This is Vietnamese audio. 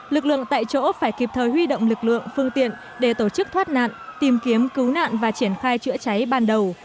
lực lượng tại chỗ phải kịp thời huy động lực lượng phương tiện để tổ chức thoát nạn tìm kiếm cứu nạn và triển khai chữa cháy ban đầu